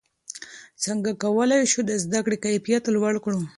څنګه کولای شو د زده کړې کیفیت لوړ کړو؟